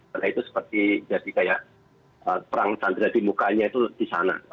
karena itu seperti jadi kayak perang sandra di mukanya itu di sana